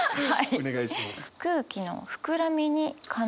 お願いします。